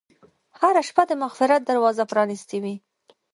هره شپه د مغفرت دروازه پرانستې وي.